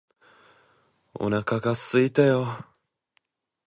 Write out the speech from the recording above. お腹がすいたよ